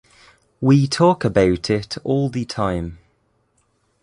We talk about it all the time.